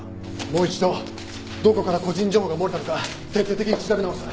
もう一度どこから個人情報が漏れたのか徹底的に調べ直す！